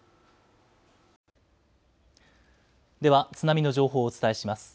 では津波の情報をお伝えします。